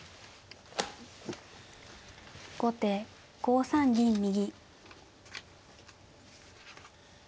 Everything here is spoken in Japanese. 後手５三銀右。